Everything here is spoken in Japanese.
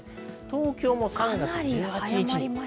東京も３月１８日に。